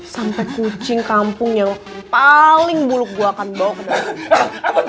sampai kucing kampung yang paling buruk gue akan bawa ke dalam